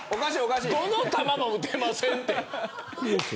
どの球も打てませんって。